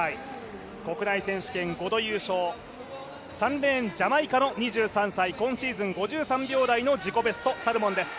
国内選手権５度優勝３レーン、ジャマイカの２３歳今シーズン５３秒台の自己ベストサルモンです。